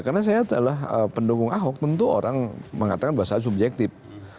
karena saya adalah pendukung ahok tentu orang mengatakan bahasa subjektif